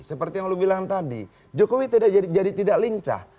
seperti yang lo bilang tadi jokowi tidak jadi tidak lincah